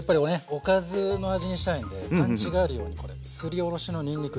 おかずの味にしたいのでパンチがあるようにこれすりおろしのにんにく。